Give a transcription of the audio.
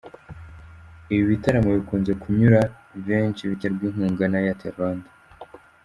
Ibi bitaramo bikunze kunyura benshi biterwa inkunga na Airtel Rwanda.